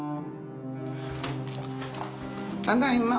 ただいま。